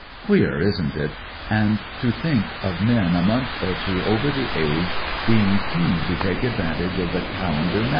" Queer, isn't it ? And then to think of men a month or two over the age being keen to take advantage of the calendar nmo!